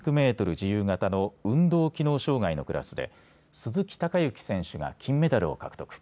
自由形の運動機能障害のクラスで鈴木孝幸選手が金メダルを獲得。